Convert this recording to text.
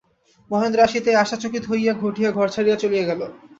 মহেন্দ্র আসিতেই আশা চকিত হইয়া উঠিয়া ঘর ছাড়িয়া চলিয়া গেল।